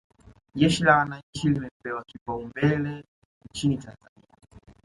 jeshi la wananchi limepewa kipaumbele nchi tanzania